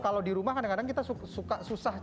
kalau di rumah kadang kadang kita suka susah